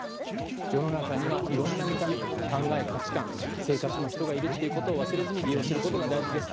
世の中には、いろんな見た目考え、価値観生活の人がいるっていうことを忘れず利用することが大事です。